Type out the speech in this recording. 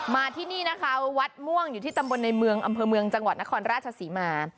มาที่นี่นะคะวัดม่วงอยู่ที่ตำบลในเมืองอำเภอเมืองจังหวัดนครราชศรีมา